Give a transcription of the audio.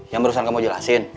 yang barusan kamu jelasin